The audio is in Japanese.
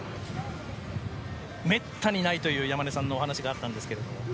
めったにないという山根さんのお話があったんですが。